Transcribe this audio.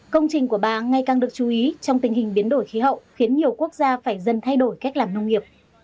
công trình của bà ngày càng được chú ý trong tình hình biến đổi khí hậu khiến nhiều quốc gia phải dần thay đổi cách làm nông nghiệp